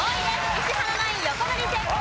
石原ナイン横取り成功。